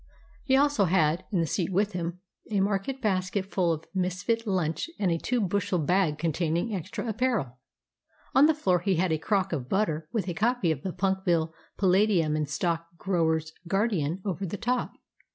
He also had, in the seat with him, a market basket full of misfit lunch and a two bushel bag containing extra apparel. On the floor he had a crock of butter with a copy of the Punkville Palladium and Stock Grower's Guardian over the top.